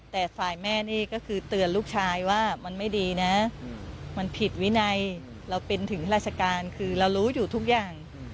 แต่ฝ่ายแม่นี่ก็คือเตือนลูกชายว่ามันไม่ดีนะมันผิดวินัยเราเป็นถึงราชการคือเรารู้อยู่ทุกอย่าง